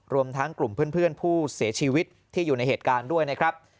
รวมทั้งกลุ่มเพื่อนผู้เสียชีวิตที่อยู่ในเหตุการณ์ด้วยนะครับ